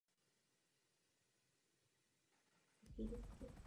Navíc se začala masově rozvíjet turistika a cestování mládeže.